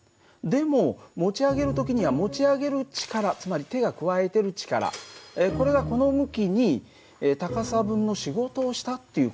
でも持ち上げる時には持ち上げる力つまり手が加えてる力これがこの向きに高さの分の仕事をしたっていう事はいえるんだね。